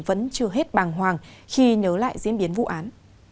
vẫn chưa hết bàng hoàng khi nhớ lại diễn biến vụ án